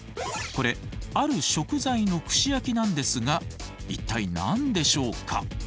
これある食材の串焼きなんですが一体何でしょうか？